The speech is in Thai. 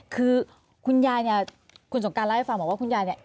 คือคุณยายเนี่ยคุณสงการเล่าให้ฟังบอกว่าคุณยายเนี่ย